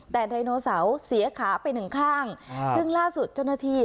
แต่ไดโนเสาร์เสียขาไปหนึ่งข้างซึ่งล่าสุดเจ้าหน้าที่